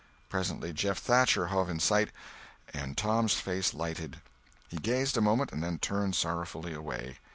Presently Jeff Thatcher hove in sight, and Tom's face lighted; he gazed a moment, and then turned sorrowfully away.